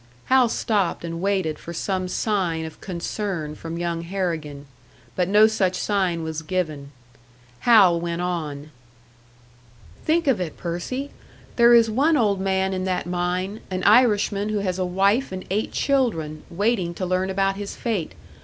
Hal stopped and waited for some sign of concern from young Harrigan. But no such sign was given. Hal went on: "Think of it, Percy! There is one old man in that mine, an Irishman who has a wife and eight children waiting to learn about his fate.